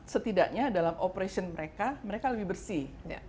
setidaknya dalam operation mereka mereka lebih bersih